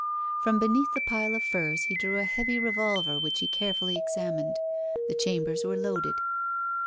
From beneath the pile of furs he drew a heavy revolver which he carefully examined. The chambers were loaded.